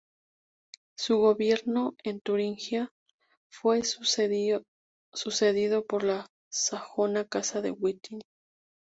Su gobierno en Turingia fue sucedido por la sajona casa de Wettin.